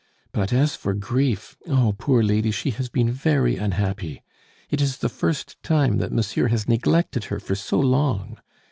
But as for grief! oh, poor lady, she has been very unhappy. It is the first time that monsieur has neglected her for so long.